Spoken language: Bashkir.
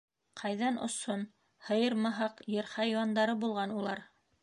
Ҡайҙан осһон! һыйыр мыһаҡ, ер хайуандары буған улар.